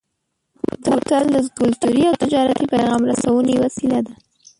بوتل د کلتوري او تجارتي پیغام رسونې وسیله ده.